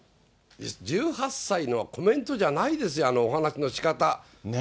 １８歳のコメントじゃないですよ、あのお話のしかた。